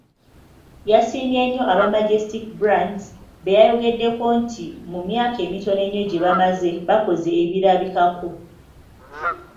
Yasiimye nnyo aba Majestic Brands beyayogeddeko nti mu myaka emitono ennyo gye bamaze, bakoze ebirabikako.